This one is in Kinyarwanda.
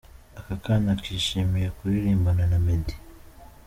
Aka kana kishimiye kuririmbana na Meddy.